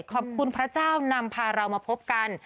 ขอบคุณพระเจ้านำพาเรามาพบกัน